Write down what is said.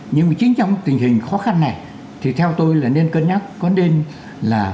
nhưng mà chính trong tình hình khó khăn này thì theo tôi là nên cân nhắc có nên là